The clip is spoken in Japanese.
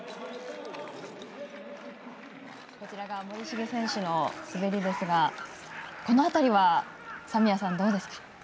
森重選手の滑りですがこの辺りは三宮さんどうですか？